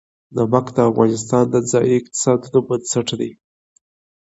نمک د افغانستان د ځایي اقتصادونو بنسټ دی.